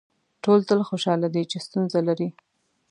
ټول تل خوشاله دي څه ستونزه لري.